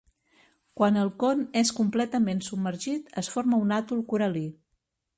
Quan el con és completament submergit es forma un atol coral·lí.